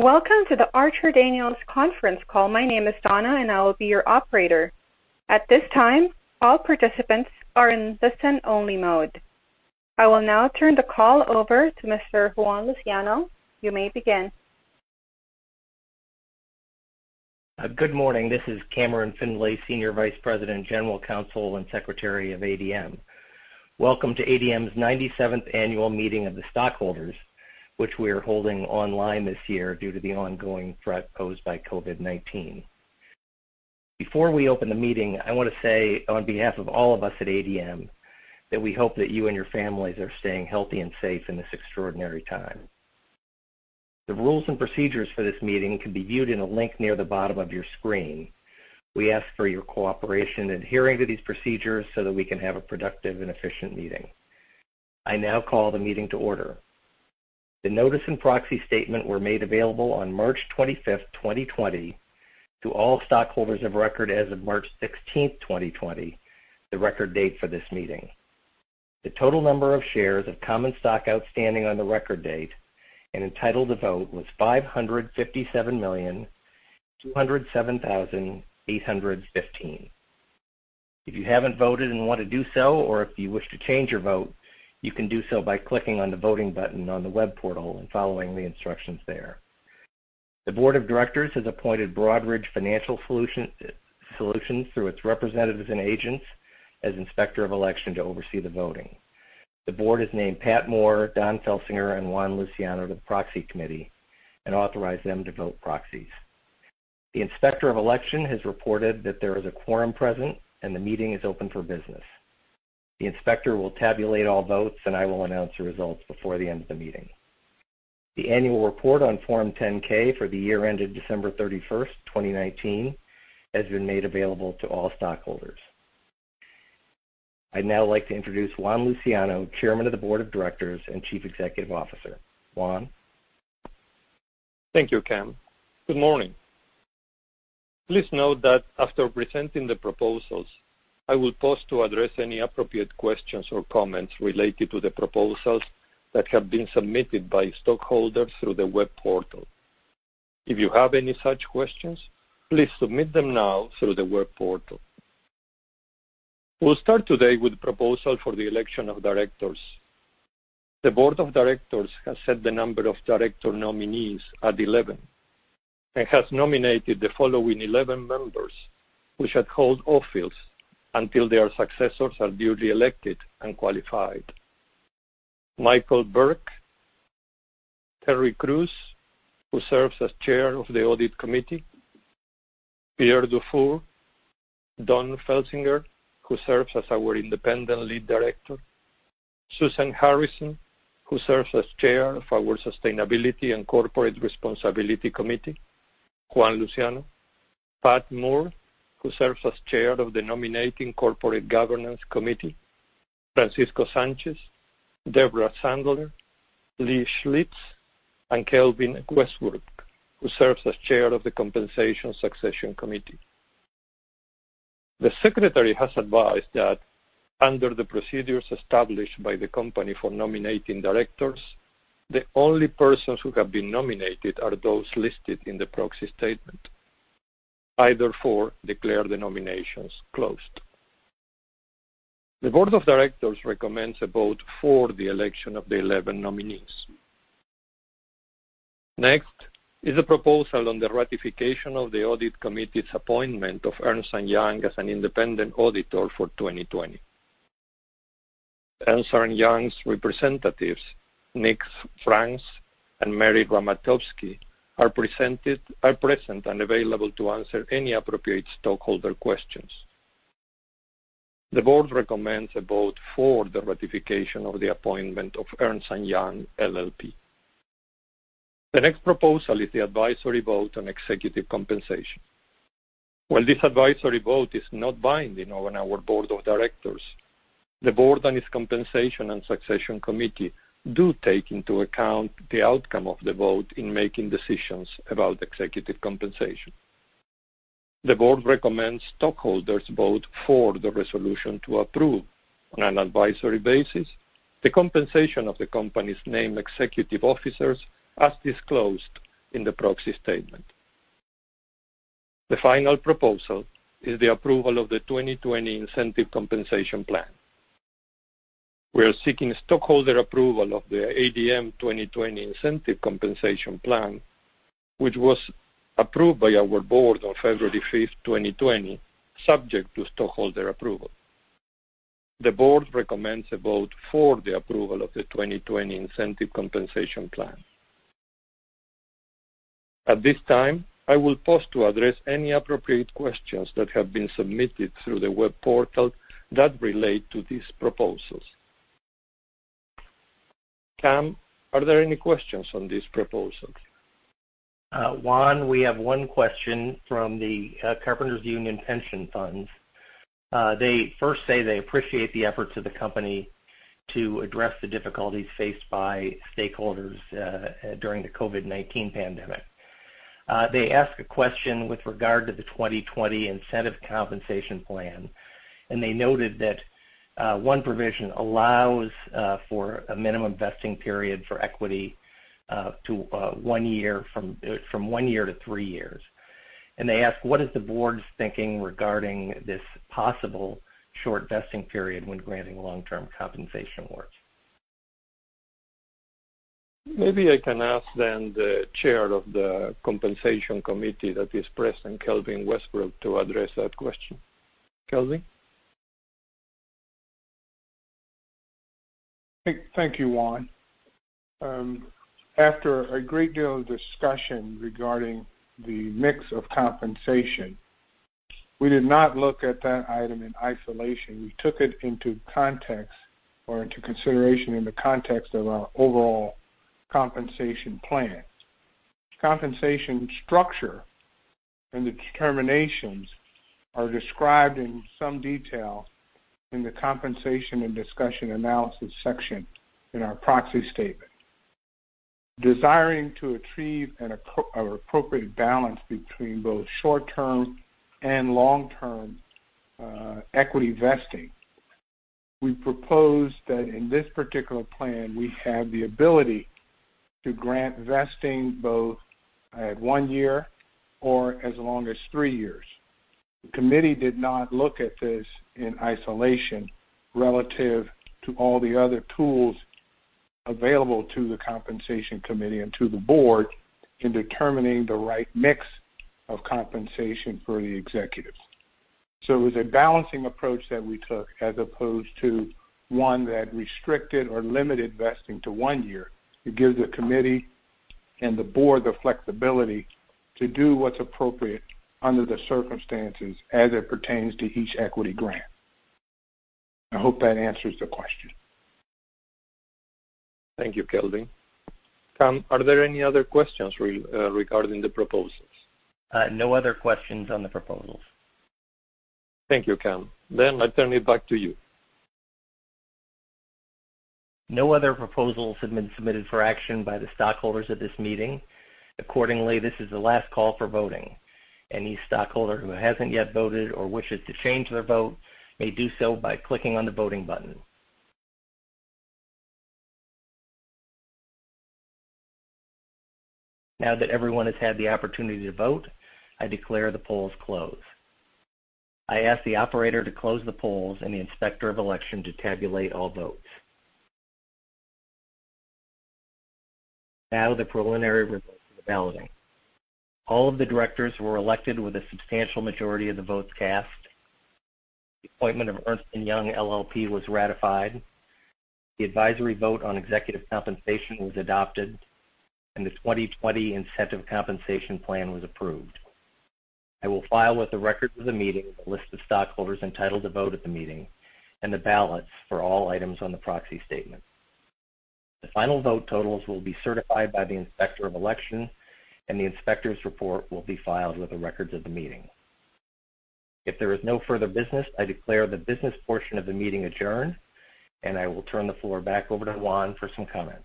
Welcome to the Archer Daniels conference call. My name is Donna, and I will be your operator. At this time, all participants are in listen-only mode. I will now turn the call over to Mr. Juan Luciano. You may begin. Good morning. This is Cameron Findlay, Senior Vice President, General Counsel, and Secretary of ADM. Welcome to ADM's 97th annual meeting of the stockholders, which we are holding online this year due to the ongoing threat posed by COVID-19. Before we open the meeting, I want to say, on behalf of all of us at ADM, that we hope that you and your families are staying healthy and safe in this extraordinary time. The rules and procedures for this meeting can be viewed in a link near the bottom of your screen. We ask for your cooperation in adhering to these procedures so that we can have a productive and efficient meeting. I now call the meeting to order. The notice and proxy statement were made available on March 25, 2020, to all stockholders of record as of March 16, 2020, the record date for this meeting. The total number of shares of common stock outstanding on the record date and entitled to vote was 557,207,815. If you haven't voted and want to do so, or if you wish to change your vote, you can do so by clicking on the voting button on the web portal and following the instructions there. The board of directors has appointed Broadridge Financial Solutions through its representatives and agents as Inspector of Election to oversee the voting. The board has named Pat Moore, Don Felsinger, and Juan Luciano to the Proxy Committee and authorized them to vote proxies. The Inspector of Election has reported that there is a quorum present, and the meeting is open for business. The inspector will tabulate all votes, and I will announce the results before the end of the meeting. The annual report on Form 10-K for the year ended December 31st, 2019, has been made available to all stockholders. I'd now like to introduce Juan Luciano, Chairman of the Board of Directors and Chief Executive Officer. Juan. Thank you, Cam. Good morning. Please note that after presenting the proposals, I will pause to address any appropriate questions or comments related to the proposals that have been submitted by stockholders through the web portal. If you have any such questions, please submit them now through the web portal. We will start today with the proposal for the election of directors. The board of directors has set the number of director nominees at 11 and has nominated the following 11 members, who shall hold office until their successors are duly elected and qualified: Michael Burke; Terrell Crews, who serves as Chair of the Audit Committee; Pierre Dufour; Don Felsinger, who serves as our Independent Lead Director; Suzan Harrison, who serves as Chair of our Sustainability and Corporate Responsibility Committee; Juan Luciano; Pat Moore, who serves as Chair of the Nominating/Corporate Governance Committee; Francisco Sanchez; Debra Sandler; Lei Schlitz; and Kelvin Westbrook, who serves as Chair of the Compensation/Succession Committee. The Secretary has advised that under the procedures established by the company for nominating directors, the only persons who have been nominated are those listed in the proxy statement. I therefore declare the nominations closed. The board of directors recommends a vote for the election of the 11 nominees. Next is a proposal on the ratification of the Audit Committee's appointment of Ernst & Young as an independent auditor for 2020. Ernst & Young's representatives, Nick Franks and Mary Rzamatowski, are present and available to answer any appropriate stockholder questions. The board recommends a vote for the ratification of the appointment of Ernst & Young LLP. The next proposal is the advisory vote on executive compensation. While this advisory vote is not binding on our board of directors, the board and its Compensation and Succession Committee do take into account the outcome of the vote in making decisions about executive compensation. The board recommends stockholders vote for the resolution to approve, on an advisory basis, the compensation of the company's named executive officers as disclosed in the proxy statement. The final proposal is the approval of the 2020 Incentive Compensation Plan. We are seeking stockholder approval of the ADM 2020 Incentive Compensation Plan, which was approved by our board on February 5th, 2020, subject to stockholder approval. The board recommends a vote for the approval of the 2020 Incentive Compensation Plan. At this time, I will pause to address any appropriate questions that have been submitted through the web portal that relate to these proposals. Cam, are there any questions on these proposals? Juan, we have one question from the Carpenters Union Pension Fund. They first say they appreciate the efforts of the company to address the difficulties faced by stakeholders during the COVID-19 pandemic. They ask a question with regard to the 2020 Incentive Compensation Plan. They noted that one provision allows for a minimum vesting period for equity from one year to three years. They ask, what is the Board's thinking regarding this possible short vesting period when granting long-term compensation awards? Maybe I can ask then the Chair of the Compensation Committee that is President Kelvin Westbrook to address that question. Kelvin? Thank you, Juan. After a great deal of discussion regarding the mix of compensation, we did not look at that item in isolation. We took it into context or into consideration in the context of our overall compensation plan. Compensation structure and the determinations are described in some detail in the Compensation Discussion and Analysis section in our proxy statement. Desiring to achieve an appropriate balance between both short-term and long-term equity vesting, we propose that in this particular plan, we have the ability to grant vesting both at one year or as long as three years. The committee did not look at this in isolation relative to all the other tools available to the Compensation Committee and to the Board in determining the right mix of compensation for the executives. It was a balancing approach that we took as opposed to one that restricted or limited vesting to one year. It gives the Committee and the Board the flexibility to do what's appropriate under the circumstances as it pertains to each equity grant. I hope that answers the question. Thank you, Kelvin. Cam, are there any other questions regarding the proposals? No other questions on the proposals. Thank you, Cam. I turn it back to you. No other proposals have been submitted for action by the stockholders at this meeting. Accordingly, this is the last call for voting. Any stockholder who hasn't yet voted or wishes to change their vote may do so by clicking on the voting button. Now that everyone has had the opportunity to vote, I declare the polls closed. I ask the operator to close the polls and the Inspector of Election to tabulate all votes. Now the preliminary results of the balloting. All of the directors were elected with a substantial majority of the votes cast. The appointment of Ernst & Young LLP was ratified. The advisory vote on executive compensation was adopted, and the 2020 Incentive Compensation Plan was approved. I will file with the records of the meeting, the list of stockholders entitled to vote at the meeting, and the ballots for all items on the proxy statement. The final vote totals will be certified by the Inspector of Election, and the Inspector's report will be filed with the records of the meeting. If there is no further business, I declare the business portion of the meeting adjourned, and I will turn the floor back over to Juan for some comments.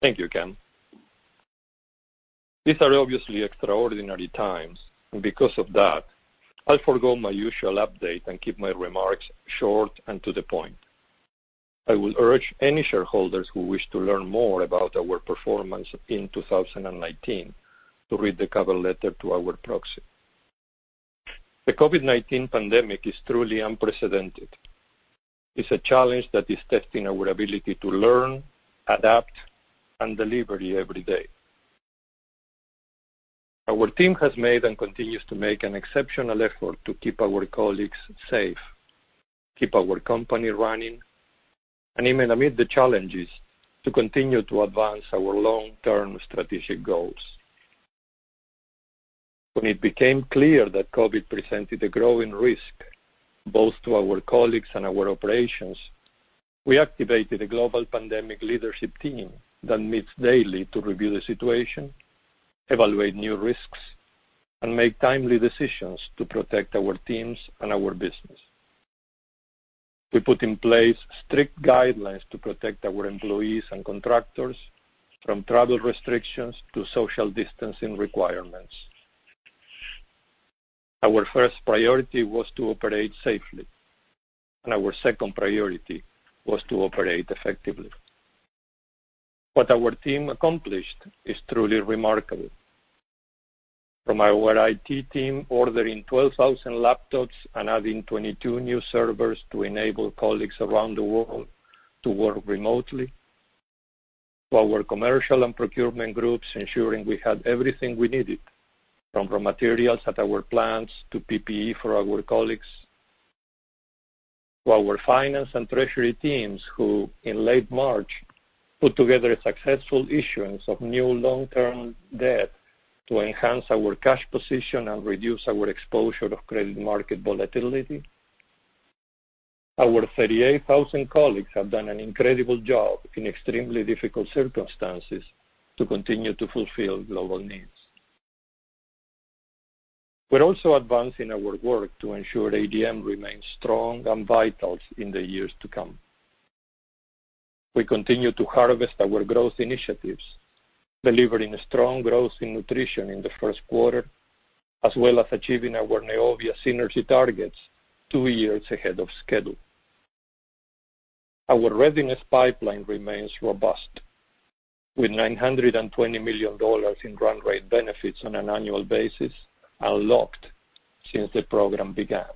Thank you, Cam. These are obviously extraordinary times. Because of that, I'll forgo my usual update and keep my remarks short and to the point. I would urge any shareholders who wish to learn more about our performance in 2019 to read the cover letter to our proxy. The COVID-19 pandemic is truly unprecedented. It's a challenge that is testing our ability to learn, adapt, and deliver every day. Our team has made and continues to make an exceptional effort to keep our colleagues safe, keep our company running, and even amid the challenges, to continue to advance our long-term strategic goals. When it became clear that COVID-19 presented a growing risk, both to our colleagues and our operations, we activated a global pandemic leadership team that meets daily to review the situation, evaluate new risks, and make timely decisions to protect our teams and our business. We put in place strict guidelines to protect our employees and contractors from travel restrictions to social distancing requirements. Our first priority was to operate safely, and our second priority was to operate effectively. What our team accomplished is truly remarkable. From our IT team ordering 12,000 laptops and adding 22 new servers to enable colleagues around the world to work remotely. To our commercial and procurement groups ensuring we had everything we needed, from raw materials at our plants to PPE for our colleagues. To our finance and treasury teams, who in late March, put together a successful issuance of new long-term debt to enhance our cash position and reduce our exposure to credit market volatility. Our 38,000 colleagues have done an incredible job in extremely difficult circumstances to continue to fulfill global needs. We're also advancing our work to ensure ADM remains strong and vital in the years to come. We continue to harvest our growth initiatives, delivering strong growth in Nutrition in the first quarter, as well as achieving our Neovia synergy targets two years ahead of schedule. Our readiness pipeline remains robust, with $920 million in run rate benefits on an annual basis unlocked since the program began.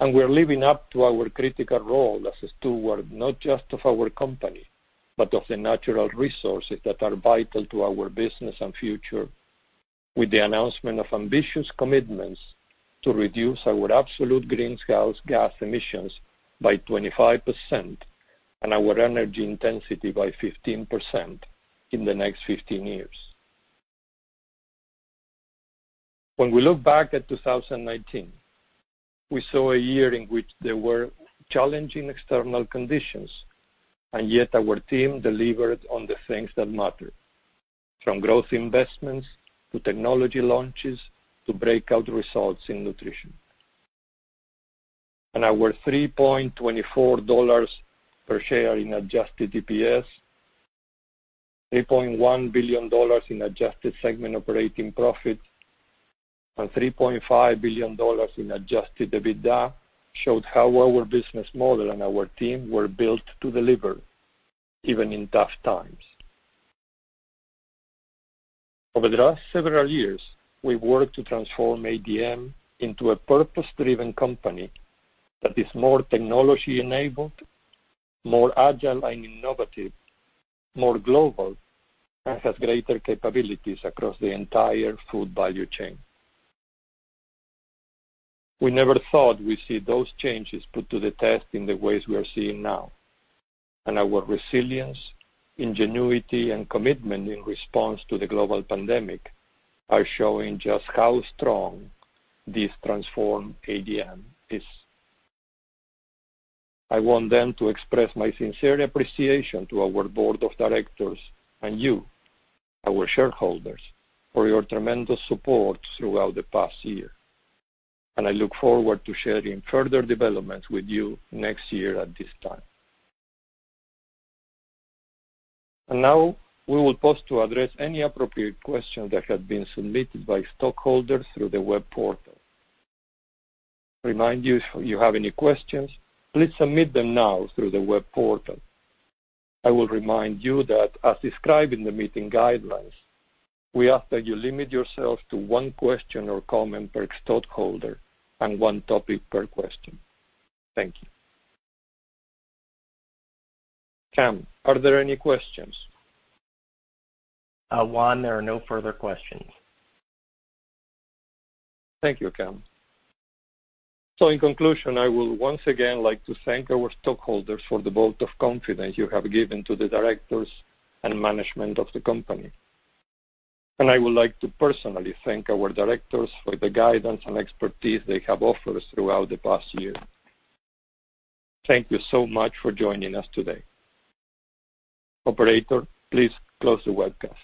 We're living up to our critical role as a steward, not just of our company, but of the natural resources that are vital to our business and future. With the announcement of ambitious commitments to reduce our absolute greenhouse gas emissions by 25% and our energy intensity by 15% in the next 15 years. When we look back at 2019, we saw a year in which there were challenging external conditions, and yet our team delivered on the things that mattered, from growth investments to technology launches to breakout results in Nutrition. Our $3.24 per share in adjusted EPS, $3.1 billion in adjusted segment operating profit, and $3.5 billion in adjusted EBITDA showed how our business model and our team were built to deliver even in tough times. Over the last several years, we've worked to transform ADM into a purpose-driven company that is more technology-enabled, more agile and innovative, more global, and has greater capabilities across the entire food value chain. We never thought we'd see those changes put to the test in the ways we are seeing now. Our resilience, ingenuity, and commitment in response to the global pandemic are showing just how strong this transformed ADM is. I want to express my sincere appreciation to our board of directors and you, our shareholders, for your tremendous support throughout the past year. I look forward to sharing further developments with you next year at this time. Now we will pause to address any appropriate questions that have been submitted by stockholders through the web portal. Remind you, if you have any questions, please submit them now through the web portal. I will remind you that as described in the meeting guidelines, we ask that you limit yourself to one question or comment per stockholder and one topic per question. Thank you. Cam, are there any questions? Juan, there are no further questions. Thank you, Cam. In conclusion, I will once again like to thank our stockholders for the vote of confidence you have given to the directors and management of the company. I would like to personally thank our directors for the guidance and expertise they have offered throughout the past year. Thank you so much for joining us today. Operator, please close the webcast